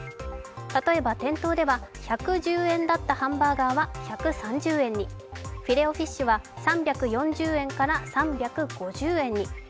例えば店頭では１１０円だったハンバーガーは１３０円に、フィレオフィッシュは３４０円から３５０円に。